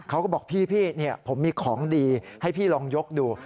เขาก็บอกพี่ผมมีของดีให้พี่ลองยกดู